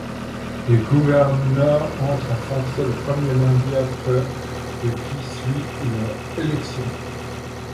Les gouverneurs entrent en fonction le premier lundi après le qui suit leur élection.